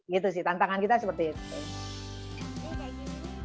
gitu sih tantangan kita seperti itu